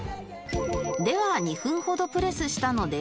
では２分ほどプレスしたので